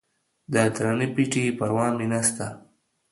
د درانه پېټي پروا مې نسته.